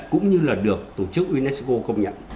cũng như là được tổ chức unesco công nhận